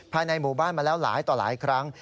ภายในหมู่บ้านมาแล้วหลายต่อหลายครั้ง